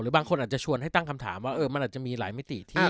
บางคนอาจจะชวนให้ตั้งคำถามว่ามันอาจจะมีหลายมิติที่